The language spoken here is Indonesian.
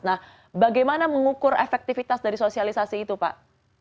nah bagaimana mengukur efektivitas dari sosialisasi itu pak